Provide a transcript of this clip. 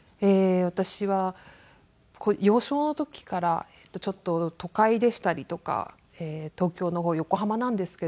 私は幼少の時からちょっと都会でしたりとか東京の方横浜なんですけど。